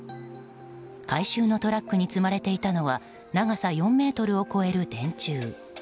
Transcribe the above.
回収のトラックに積まれていたのは長さ４ｍを超える電柱。